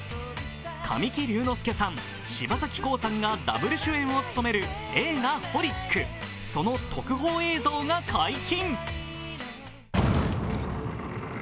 神木隆之介さん、柴咲コウさんがダブル主演を務める、映画「ホリックｘｘｘＨＯＬｉＣ」その特報映像が解禁。